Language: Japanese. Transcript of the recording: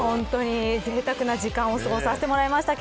ぜいたくな時間を過ごさせていただきました。